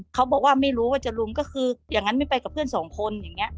เขาบอกว่าไม่รู้ว่าจะรุมก็คืออย่างนั้นไม่ไปกับเพื่อนสองคนอย่างนี้